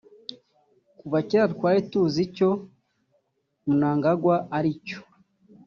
Kuva kera twari tuzi icyo [Mnangagwa] aricyo